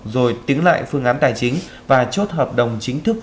rồi tiếng lại phương án tài chính và chốt hợp đồng chính thức